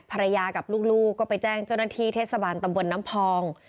ภรรยากับลูกก็ไปแจ้งเจ้าหน้าที่เทศบาลตำบลน้ำพอง